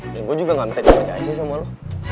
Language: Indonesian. dan gue juga gak minta dipercaya sih sama lo